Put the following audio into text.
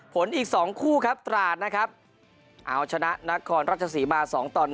อีก๒คู่ครับตราดนะครับเอาชนะนครราชสีมา๒ต่อ๑